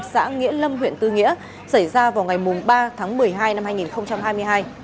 xã nghĩa lâm huyện tư nghĩa xảy ra vào ngày ba tháng một mươi hai năm hai nghìn hai mươi hai